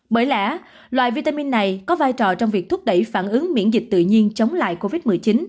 bởi lẽ loại vitamin này có vai trò trong việc thúc đẩy phản ứng miễn dịch tự nhiên chống lại covid một mươi chín